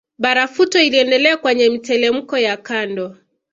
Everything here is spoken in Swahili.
Barafuto iliendelea kwenye mitelemko ya kando